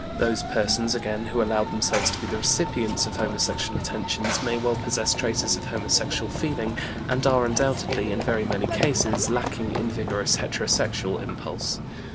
Those persons, again, who allow themselves to be the recipients of homosexual attentions may well possess traces of homosexual feeling, and are undoubtedly in very many cases lacking in vigorous heterosexual impulse.